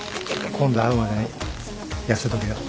今度会うまでに痩せとけよ。